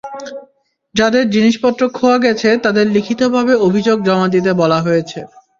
যাদের জিনিসপত্র খোয়া গেছে তাদের লিখিতভাবে অভিযোগ জমা দিতে বলা হয়েছে।